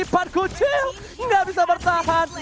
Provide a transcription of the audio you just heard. ipan kucil gak bisa bertahan